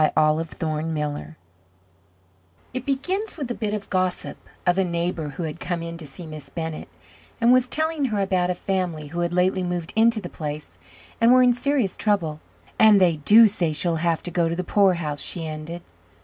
OLIVE THORNE MILLER It begins with a bit of gossip of a neighbour who had come in to see Miss Bennett, and was telling her about a family who had lately moved into the place and were in serious trouble. "And they do say she'll have to go to the poorhouse," she ended.